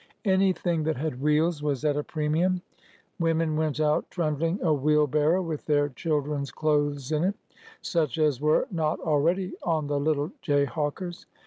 An3^thing that had wheels was at a premium. Women went out trundling a wheelbarrow with their children's clothes in it,— such as were not al ready on the little jayhawkers.